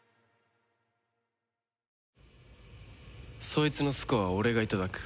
そいつのスコアは俺がいただく。